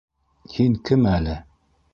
- Һин кем әле?